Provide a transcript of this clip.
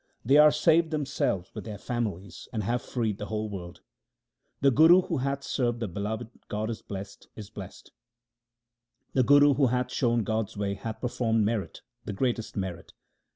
They are saved themselves with their families, and have freed the whole world. The Guru who hath served the Beloved God is blest, is blest. The Guru who hath shown God's way hath performed merit, the greatest merit.